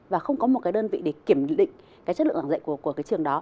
và không có một cái đơn vị để kiểm định cái chất lượng giảng dạy của cái trường đó